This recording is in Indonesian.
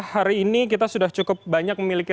hari ini kita sudah cukup banyak memiliki